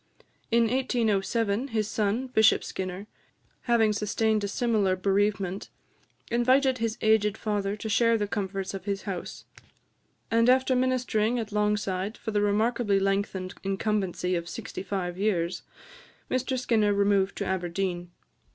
In 1807, his son, Bishop Skinner, having sustained a similar bereavement, invited his aged father to share the comforts of his house; and after ministering at Longside for the remarkably lengthened incumbency of sixty five years, Mr Skinner removed to Aberdeen.